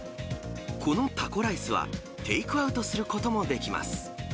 このタコライスは、テイクアウトすることもできます。